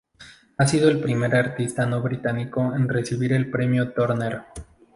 Ha sido el primer artista no británico en recibir el premio Turner.